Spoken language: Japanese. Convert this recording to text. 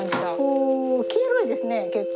お黄色いですね結構。